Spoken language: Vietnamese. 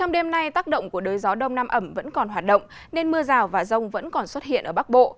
đêm nay tác động của đới gió đông nam ẩm vẫn còn hoạt động nên mưa rào và rông vẫn còn xuất hiện ở bắc bộ